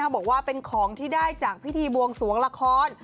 บอกว่าเป็นของที่ได้จากพิธีบวงสวงละคร